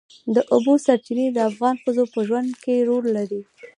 د اوبو سرچینې د افغان ښځو په ژوند کې رول لري.